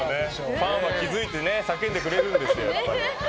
ファンは気づいて叫んでくれるんですよ。